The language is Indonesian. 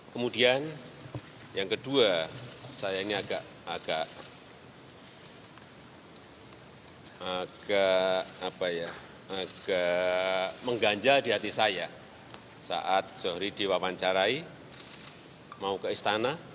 kemudian yang kedua saya ini agak mengganjal di hati saya saat zohri diwawancarai mau ke istana